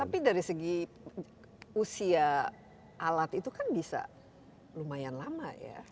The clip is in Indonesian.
tapi dari segi usia alat itu kan bisa lumayan lama ya